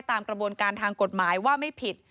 ตามกระบวนการทางกฎหมายว่าไม่ผิด